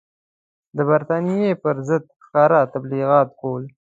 د برټانیې پر ضد ښکاره تبلیغات کول.